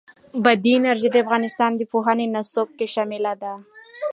بادي انرژي د افغانستان د پوهنې نصاب کې شامل دي.